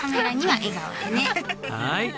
はい！